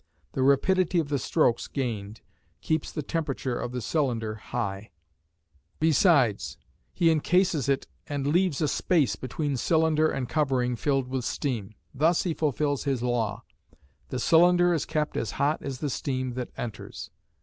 The rapidity of the "strokes" gained keeps the temperature of the cylinder high; besides, he encases it and leaves a space between cylinder and covering filled with steam. Thus he fulfils his law: "The cylinder is kept as hot as the steam that enters."